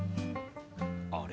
あれ？